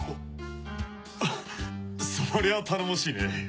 フッそりゃ頼もしいね。